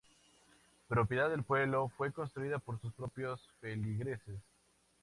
Propiedad del pueblo, fue construida por sus propios feligreses.